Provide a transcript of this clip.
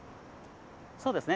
そうですね。